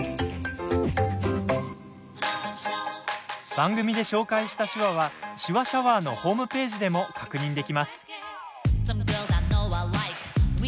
番組で紹介した手話は「手話シャワー」のホームページでも確認できます。